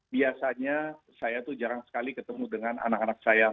biasanya saya tuh jarang sekali ketemu dengan anak anak saya